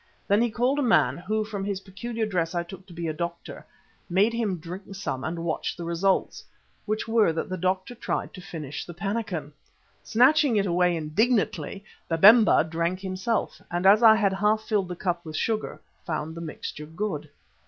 Then he called a man, who from his peculiar dress I took to be a doctor, made him drink some, and watched the results, which were that the doctor tried to finish the pannikin. Snatching it away indignantly Babemba drank himself, and as I had half filled the cup with sugar, found the mixture good.